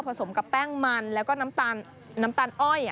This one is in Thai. สมกับแป้งมันแล้วก็น้ำตาลอ้อย